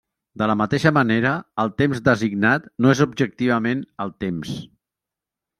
De la mateixa manera, el temps designat no és objectivament el temps.